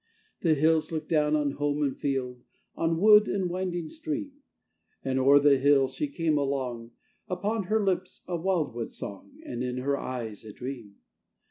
The hills look down on home and field, On wood and winding stream; And o'er the hills she came along, Upon her lips a wildwood song, And in her eyes a dream.